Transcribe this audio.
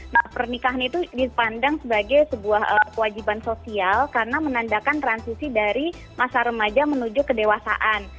nah pernikahan itu dipandang sebagai sebuah kewajiban sosial karena menandakan transisi dari masa remaja menuju kedewasaan